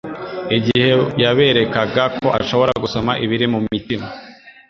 igihe yaberekaga ko ashobora gusoma ibiri mu mitima.